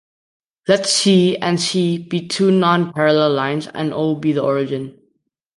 Let "C" and "C" be two non-parallel lines and let "O" be the origin.